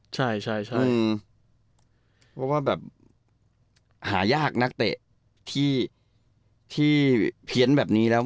ใช่ใช่เพราะว่าแบบหายากนักเตะที่เพี้ยนแบบนี้แล้ว